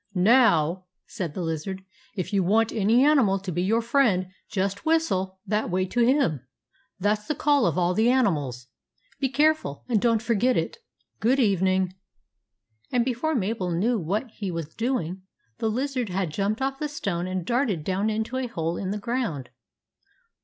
" Now," said the lizard, " if you want any animal to be your friend, just whistle that way to him. That 's the call of all the animals. Be careful and don't forget it. Good evening." And before Mabel knew what he was doing, the lizard had jumped off the stone and darted down into a hole in the ground.